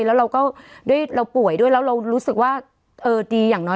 แล้วเราก็ด้วยเราป่วยด้วยแล้วเรารู้สึกว่าเออดีอย่างน้อย